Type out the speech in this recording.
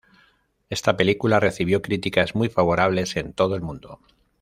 Esta película recibió "críticas muy favorables" en todo el mundo.